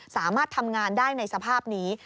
สามารถทำงานได้ในสภาพนี้